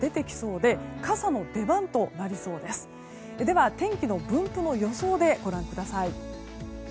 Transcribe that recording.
では、天気の分布を予想でご覧ください。